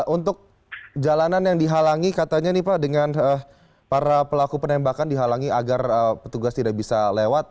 untuk jalanan yang dihalangi katanya nih pak dengan para pelaku penembakan dihalangi agar petugas tidak bisa lewat